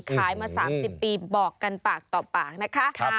ขายมา๓๐ปีบอกกันปากต่อปากนะคะ